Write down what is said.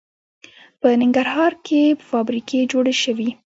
په ننګرهار کې فابریکې جوړې شوي